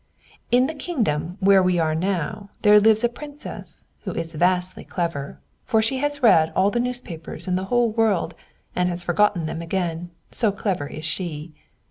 "In the kingdom where we now are, there lives a princess, who is vastly clever; for she has read all the newspapers in the whole world, and has forgotten them again, so clever is she.